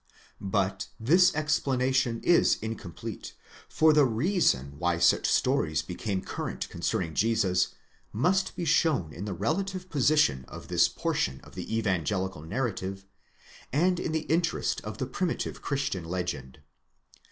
But this explanation is incomplete, for the reason why such stories became current concerning Jesus, must be shown in the relative position of this portion of the evangelical narrative, and in the interest of the primitive Christian legend.